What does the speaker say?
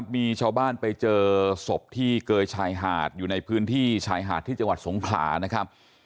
มีชาวบ้านไปเจอศพที่เกยชายหาดอยู่ในพื้นที่ชายหาดที่จังหวัดสงขลานะครับ